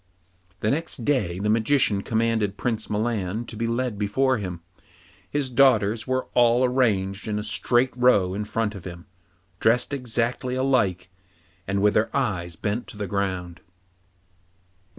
The next day the Magician again commanded Prince Milan to be led before him. His daughters were all arranged in a straight row in front of him, dressed exactly alike, and with their eyes bent on the ground.